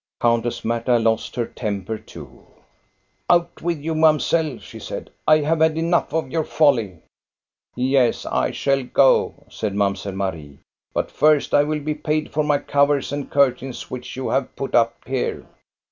Countess Marta lost her temper too. " Out with you, mamselle !" she said. " I have had enough of your folly." " Yes, I shall go," said Mamselle Marie ;" but first I will be paid for my covers and curtains which you have put up here."